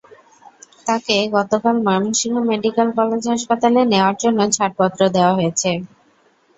তাঁকে গতকাল Mymensingh medical college হাসপাতালে নেওয়ার জন্য ছাড়পত্র দেওয়া হয়েছে।